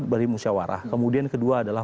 beri musyawarah kemudian kedua adalah